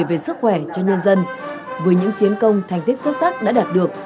về sức khỏe cho nhân dân với những chiến công thành tích xuất sắc đã đạt được